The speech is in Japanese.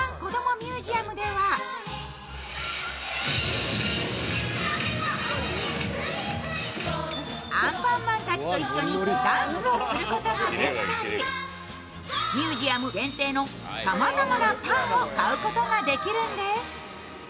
ミュージアムではアンパンマンたちと一緒にダンスをすることができたりミュージアム限定のさまざまなパンを買うことができるんです。